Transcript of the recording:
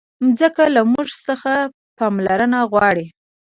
مځکه له موږ څخه پاملرنه غواړي.